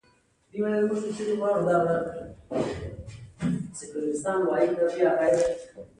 بزګر ته خوله شرم نه، افتخار دی